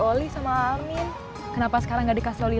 boleh bakal dijaga bahkan disini